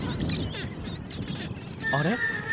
あれ？